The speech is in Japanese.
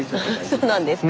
そうなんですか。